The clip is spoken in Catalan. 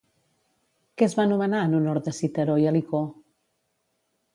Què es va nomenar en honor de Citeró i Helicó?